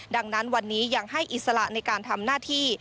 ดังนั้นวันนี้ยังให้อิสระในการทำหน้าที่